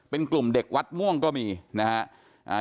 เป็นกลุ่มเด็กวัดม่วงก็มีนะฮะ